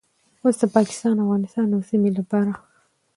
اوس د پاکستان، افغانستان او سیمې لپاره